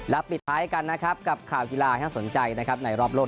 และปิดท้ายกันนะครับกับข่าวกีฬาที่น่าสนใจนะครับในรอบโลก